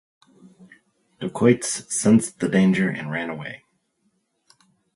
Dacoits sensed the danger and ran away.